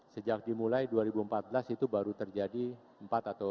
sejak dimulai dua ribu empat belas itu baru terjadi empat atau